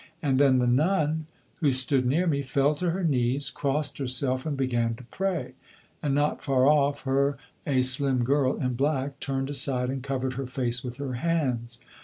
And then the nun, who stood near me, fell to her knees, crossed herself and began to pray; and not far off her a slim girl in black turned aside and covered her face with her hands.